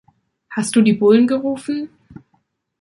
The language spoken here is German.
Hast du die Bullen gerufen?